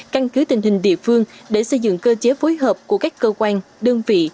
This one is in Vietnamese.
căn cứ tình hình địa phương để xây dựng cơ chế phối hợp của các cơ quan đơn vị